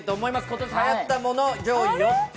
今年はやったもの、上位４つ。